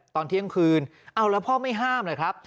ตอนเที่ยงคืนเอาแล้วพ่อไม่ห้ามเลยครับ